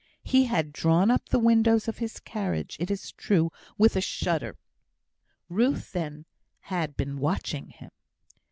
He had drawn up the windows of his carriage, it is true, with a shudder. Ruth, then, had been watching him.